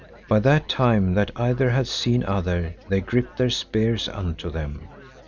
By that time that either had seen other, they gripped their spears unto them.